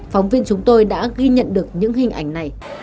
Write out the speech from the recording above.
phóng viên chúng tôi đã ghi nhận được những hình ảnh này